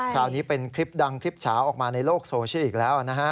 คราวนี้เป็นคลิปดังคลิปเฉาออกมาในโลกโซเชียลอีกแล้วนะฮะ